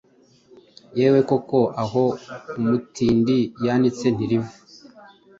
Yewe koko “Aho umutindi yanitse ntiriva!”